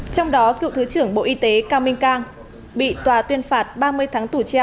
trong đó cựu thứ trưởng bộ y tế cao minh cang bị tòa tuyên phạt ba mươi tháng tù treo